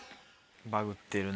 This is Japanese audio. バグってるな。